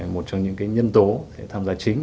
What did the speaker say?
một trong những nhân tố tham gia chính